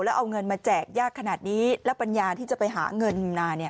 แล้วเอาเงินมาแจกยากขนาดนี้แล้วปัญญาที่จะไปหาเงินมาเนี่ย